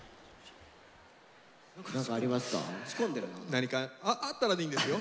何かあったらでいいんですよ。